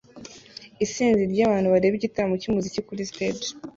Isinzi ryabantu bareba igitaramo cyumuziki kuri stage